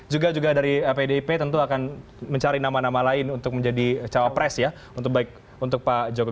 juga juga dari pdip tentu akan mencari nama nama lain untuk menjadi capres ya untuk pak joko